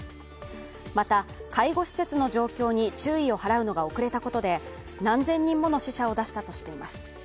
また、介護施設の状況に注意を払うのが遅れたことで何千人もの死者を出したとしています。